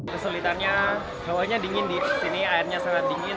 kesulitannya hawanya dingin di sini airnya sangat dingin